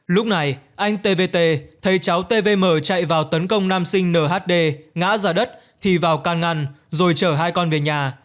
lúc này anh t v t thấy cháu t v m chạy vào tấn công nam sinh nhd ngã ra đất thì vào căn ngăn rồi chở hai con về nhà